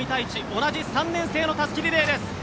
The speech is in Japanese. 同じ３年生のたすきリレーです。